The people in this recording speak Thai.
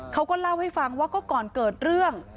เขาก็เล่าให้ฟังว่าก็ก่อนเกิดเรื่อง